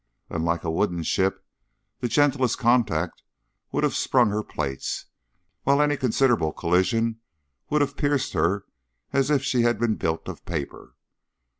Unlike a wooden ship, the gentlest contact would have sprung her plates, while any considerable collision would have pierced her as if she had been built of paper.